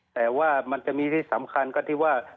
แต่ว่ามันจะมีที่สำคัญก็ที่ว่า